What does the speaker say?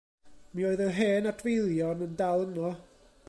Mi oedd yr hen adfeilion yn dal yno.